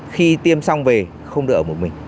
khi tiêm xong về không đỡ